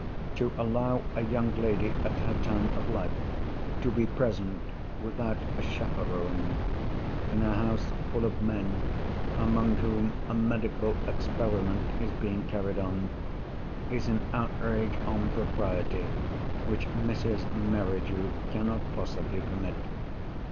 To allow a young lady, at her time of life, to be present (without a "chaperone") in a house full of men among whom a medical experiment is being carried on, is an outrage on propriety which Mrs. Merridew cannot possibly permit.